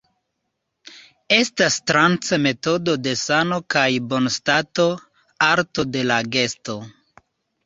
Estas transe metodo de sano kaj bonstato, arto de la gesto.